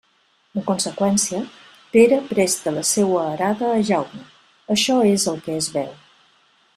En conseqüència, Pere presta la seua arada a Jaume: això és el que es veu.